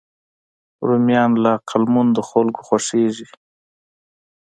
رومیان له عقلمندو خلکو خوښېږي